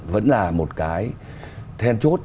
vẫn là một cái then chốt